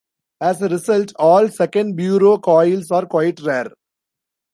As a result, all Second Bureau coils are quite rare.